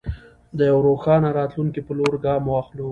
د یوه روښانه راتلونکي په لور ګام واخلو.